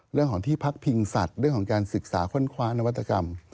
เรื่องของที่พักพิงสัตว์เรื่องของการศึกษาค้นคว้านวัตกรรม